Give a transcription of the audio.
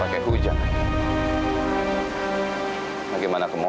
aku sedang berd willkommen